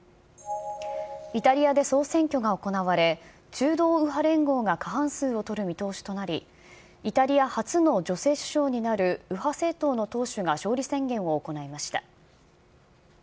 イタリアで総選挙が行われ、中道右派連合が過半数を取る見通しとなり、イタリア初の女性首相になる右派政党の党首が勝利宣言を行いました。